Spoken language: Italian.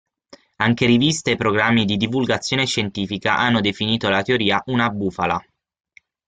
Anche riviste e programmi di divulgazione scientifica hanno definito la teoria una "bufala".